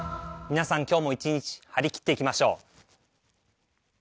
皆さん、今日も一日張り切っていきましょう。